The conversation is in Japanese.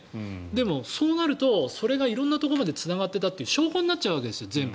でも、そうなるとそれが色んなところまでつながっていたという証拠になっちゃうわけですよ。